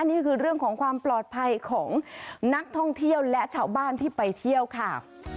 นี่คือเรื่องของความปลอดภัยของนักท่องเที่ยวและชาวบ้านที่ไปเที่ยวค่ะ